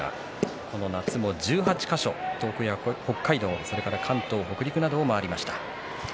この夏も１８か所、東北や北海道関東、北陸などを回りました。